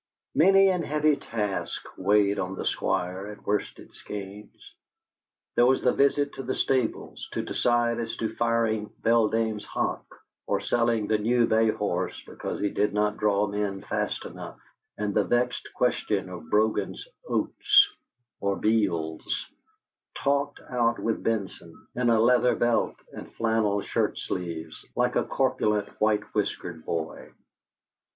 Many and heavy tasks weighed on the Squire at Worsted Skeynes. There was the visit to the stables to decide as to firing Beldame's hock, or selling the new bay horse because he did not draw men fast enough, and the vexed question of Bruggan's oats or Beal's, talked out with Benson, in a leather belt and flannel shirt sleeves, like a corpulent, white whiskered boy.